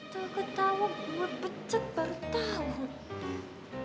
tahu gue tau gue becek baru tau